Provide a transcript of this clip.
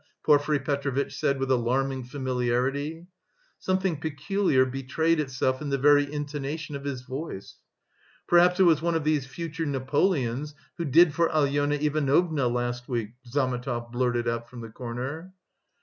Porfiry Petrovitch said with alarming familiarity. Something peculiar betrayed itself in the very intonation of his voice. "Perhaps it was one of these future Napoleons who did for Alyona Ivanovna last week?" Zametov blurted out from the corner.